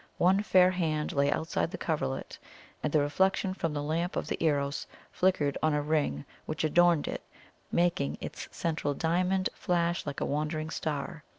One fair hand lay outside the coverlet, and the reflection from the lamp of the "Eros" flickered on a ring which adorned it, making its central diamond flash like a wandering star.